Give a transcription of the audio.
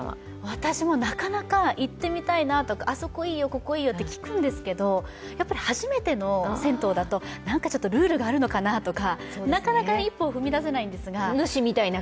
私もなかなか行ってみたいな、あそこいいよ、ここいいよって聞くんですけど初めての銭湯だと、何かちょっとルールがあるのかなとか、なかなか一歩踏み出せないんですが。